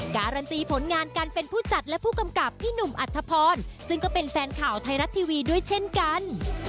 การันตีผลงานการเป็นผู้จัดและผู้กำกับพี่หนุ่มอัธพรซึ่งก็เป็นแฟนข่าวไทยรัฐทีวีด้วยเช่นกัน